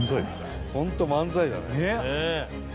ホント漫才だね。